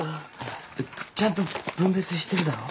えっちゃんと分別してるだろ。